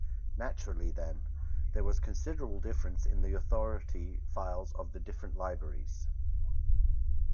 Naturally, then, there was considerable difference in the authority files of the different libraries.